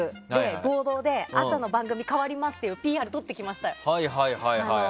合同で朝の番組変わりますというＰＲを撮ってきました。